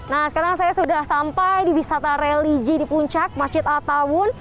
nah sekarang saya sudah sampai di wisata religi di puncak masjid al tawun